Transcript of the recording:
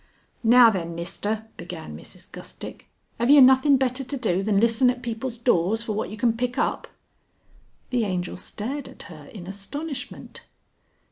"Now, then, Mister," began Mrs Gustick. "Have ye nothin' better to do than listen at people's doors for what you can pick up?" The Angel stared at her in astonishment.